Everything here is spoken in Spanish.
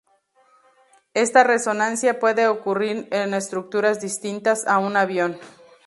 Esta resonancia puede ocurrir en estructuras distintas a un avión.